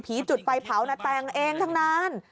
ผีจุดไปเผาหน้าแตงเองทั้งนั้น